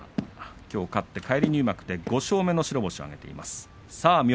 きょう勝って返り入幕５勝目の白星が出ています。